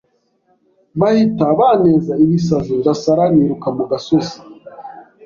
bahita banteza ibisazi ndasara niruka mu gasozi